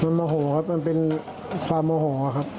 มันโมโหครับมันเป็นความโมโหครับ